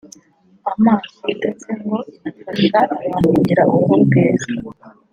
amaso ndetse ngo inafasha abantu kugira uruhu rwiza